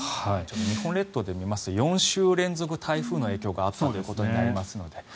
日本列島で見ますと４週連続台風の影響があったということになりますので。